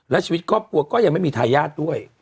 และชีวิตครอบครัวก็ยังไม่มีทายาทด้วย